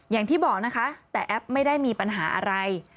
อย่างที่บอกนะคะแต่แอปไม่ได้มีปัญหาอะไร